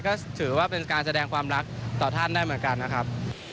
ก็ถือว่าเป็นการแสดงความรักต่อท่านได้เหมือนกันนะครับ